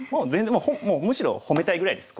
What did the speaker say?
もうむしろ褒めたいぐらいです